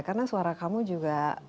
karena suara kamu juga